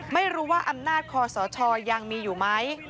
ไม่รู้ว่าอำนาจคอสชยังมีอยู่ไหม